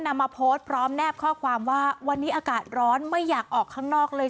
นำมาโพสต์พร้อมแนบข้อความว่าวันนี้อากาศร้อนไม่อยากออกข้างนอกเลย